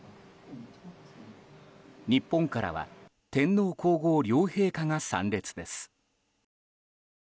日本からは天皇・皇后両陛下が参列です。